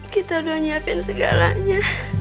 kita udah nyiapin segalanya